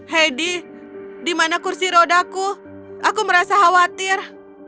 heidi di mana kursi rodaku aku merasa khawatir